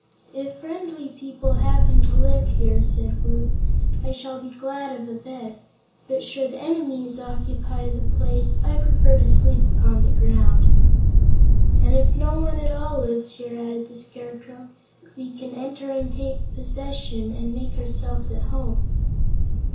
"If friendly people happen to live here," said Woot. "I shall be glad of a bed; but should enemies occupy the place, I prefer to sleep upon the ground." "And if no one at all lives here," added the Scarecrow, "we can enter, and take possession, and make ourselves at home."